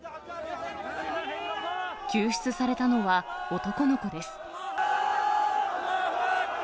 救出されたのは、男の子です。